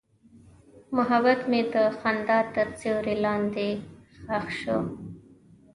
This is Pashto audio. محبت مې د خندا تر سیوري لاندې ښخ شو.